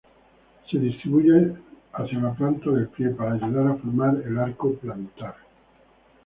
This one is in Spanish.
Se distribuye hacia la planta del pie para ayudar a formar el arco plantar.